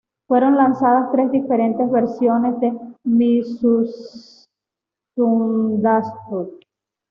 Fueron lanzadas tres diferentes versiones de "M!ssundaztood".